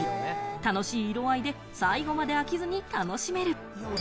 楽しい色合いで最後まで飽きずに楽しめる。